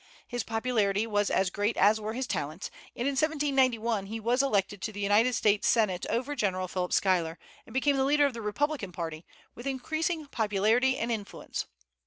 His popularity was as great as were his talents, and in 1791 he was elected to the United States Senate over General Philip Schuyler, and became the leader of the Republican party, with increasing popularity and influence.